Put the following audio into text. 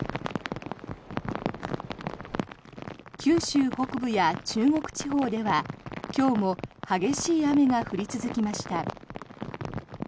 九州北部や中国地方では今日も激しい雨が降り続きました。